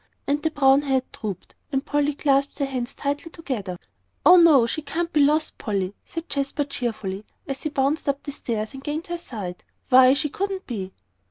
And the brown head drooped, and Polly clasped her hands tightly together. "Oh, no, she can't be lost, Polly," said Jasper, cheerfully, as he bounded up the stairs and gained her side; "why, she couldn't be!"